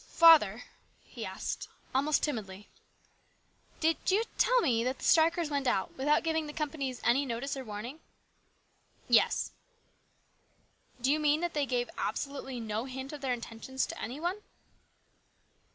" Father," he asked almost timidly, " did you tell me that the strikers went out without giving the companies any notice or warning ?" "Yes." " Do you mean that they gave absolutely no hint of their intentions to any one